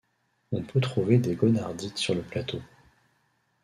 On peut trouver des gonnardites sur le plateau.